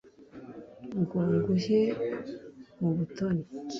ngo nguhige mu butoni,